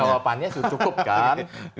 jawabannya sudah cukup kan